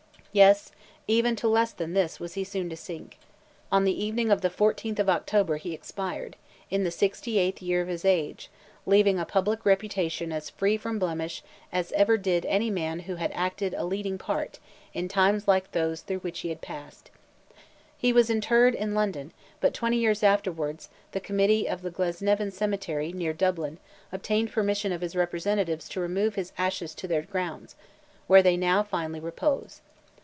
Yes! even to less than this, was he soon to sink. On the evening of the 14th of October, he expired, in the 68th year of his age, leaving a public reputation as free from blemish as ever did any man who had acted a leading part, in times like those through which he had passed. He was interred in London, but twenty years afterwards, the committee of the Glasnevin Cemetery, near Dublin, obtained permission of his representatives to remove his ashes to their grounds, where they now finally repose.